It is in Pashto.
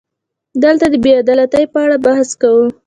دلته د بې عدالتۍ په اړه بحث کوو.